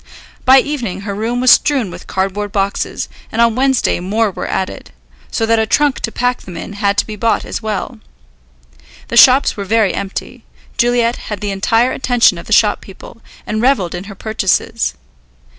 By evening her room was strewn with cardboard boxes, and on Wednesday more were added, so that a trunk to pack them in had to be bought as well. The shops were very empty; Juliet had the entire attention of the shop people, and revelled in her purchases.